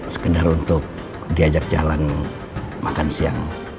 sekedar untuk diajak jalan makan siang